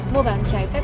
mua bán trái phép